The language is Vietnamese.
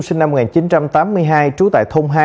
sinh năm một nghìn chín trăm tám mươi hai trú tại thôn hai